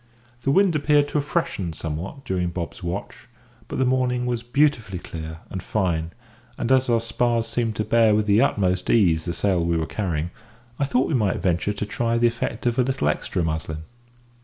The wind appeared to have freshened somewhat during Bob's watch; but the morning was beautifully clear and fine; and, as our spars seemed to bear with the utmost ease the sail we were carrying, I thought we might venture to try the effect of a little extra "muslin."